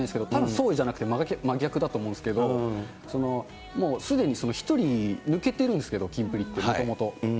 そうじゃなくて真逆だと思うんですけれども、もうすでに１人抜けてるんですけど、キンプリって、もともと。